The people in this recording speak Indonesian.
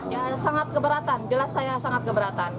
ya sangat keberatan jelas saya sangat keberatan